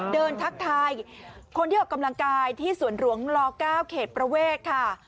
ทักทายคนที่ออกกำลังกายที่สวนหลวงล๙เขตประเวทค่ะ